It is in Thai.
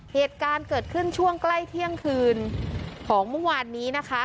เหตุการณ์เกิดขึ้นช่วงใกล้เที่ยงคืนของเมื่อวานนี้นะคะ